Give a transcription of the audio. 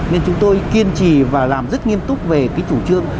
nên chúng tôi kiên trì và làm rất nghiêm túc về cái chủ trương